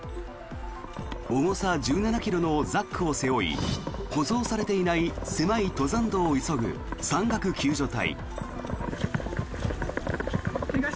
重さ１７ｋｇのザックを背負い舗装されていない狭い登山道を急ぐ山岳救助隊。